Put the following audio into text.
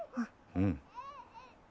うん。